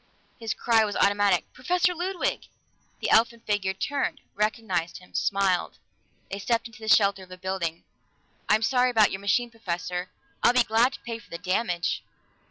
His cry was automatic. "Professor Ludwig!" The elfin figure turned, recognized him, smiled. They stepped into the shelter of a building. "I'm sorry about your machine, Professor. I'd be glad to pay for the damage."